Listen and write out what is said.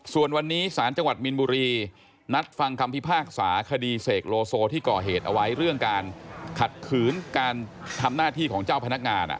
ส่วนวันนี้สารจังหวัดมินบุรีนัดฟังคำพิพากษาคดีเสกโลโซที่ก่อเหตุเอาไว้เรื่องการขัดขืนการทำหน้าที่ของเจ้าพนักงาน